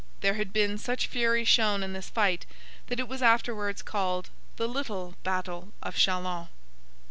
There had been such fury shown in this fight, that it was afterwards called the little Battle of Châlons.